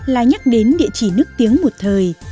là nhắc đến địa chỉ nước tiếng một thời